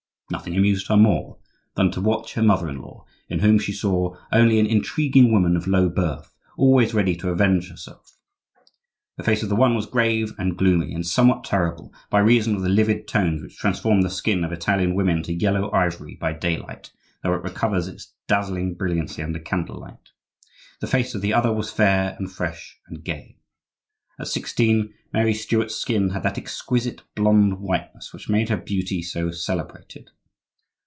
Nothing amused her more than to watch her mother in law, in whom she saw only an intriguing woman of low birth, always ready to avenge herself. The face of the one was grave and gloomy, and somewhat terrible, by reason of the livid tones which transform the skin of Italian women to yellow ivory by daylight, though it recovers its dazzling brilliancy under candlelight; the face of the other was fair and fresh and gay. At sixteen, Mary Stuart's skin had that exquisite blond whiteness which made her beauty so celebrated.